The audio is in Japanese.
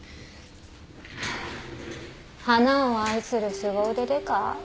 花を愛するすご腕デカ？